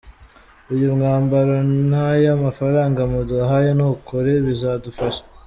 Uyu mwambaro n’aya mafaranga muduhaye ni ukuri bizadufasha.